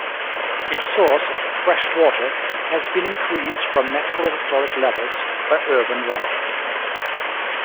Its source of freshwater has been increased from natural historical levels by urban runoff.